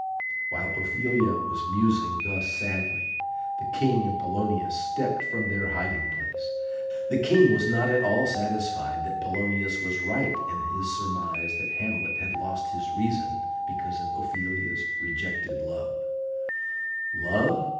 While Ophelia was musing thus sadly, the King and Polonius stepped from their hiding place. The King was not at all satisfied that Polonius was right in his surmise that Hamlet had lost his reason because of Ophelia's rejected love. "Love!